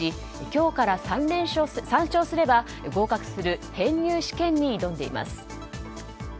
今日から３勝すれば合格する編入試験に挑んでいます。